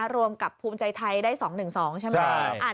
รวมกับภูมิใจไทยได้๒๑๒ใช่ไหม